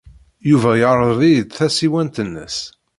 Yuba yerḍel-iyi-d tasiwant-nnes.